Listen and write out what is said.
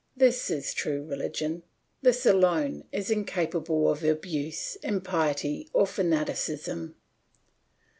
This is true religion; this alone is incapable of abuse, impiety, or fanaticism.